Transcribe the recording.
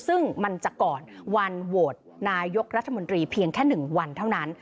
ซึ่งมันจะก่อนวันโหวตนายกรัฐมนตรีเพียงแค่๑วันเท่านั้น